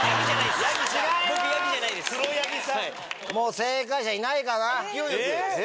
正解者いないかな？